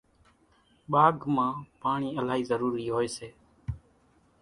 ٻاگھ مان پاڻِي الائِي ضرورِي هوئيَ سي۔